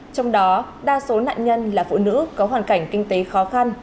trong đó đa số nạn nhân là phụ nữ có hoàn cảnh kinh tế khó khăn